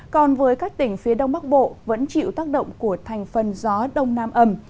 còn với các tỉnh phía đông bắc bộ vẫn chịu tác động của thành phần gió đông nam ẩm